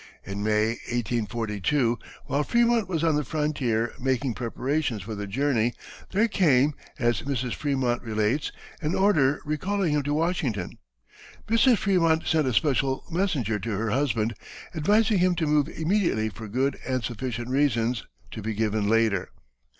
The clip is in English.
In May, 1842, while Frémont was on the frontier making preparations for the journey, there came, as Mrs. Frémont relates, an order recalling him to Washington. Mrs. Frémont sent a special messenger to her husband, advising him to move immediately for good and sufficient reasons, to be given later.